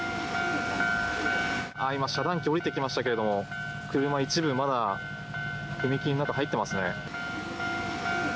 今、遮断機が下りてきましたけれども車、一部まだ踏切の中に入っていますね。